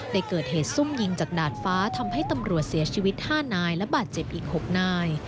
ได้เกิดเหตุซุ่มยิงจากดาดฟ้าทำให้ตำรวจเสียชีวิต๕นายและบาดเจ็บอีก๖นาย